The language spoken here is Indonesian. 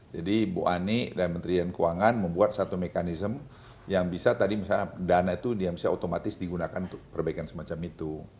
bu ani dan menteri keuangan membuat satu mekanisme yang bisa tadi misalnya dana itu otomatis digunakan untuk perbaikan semacam itu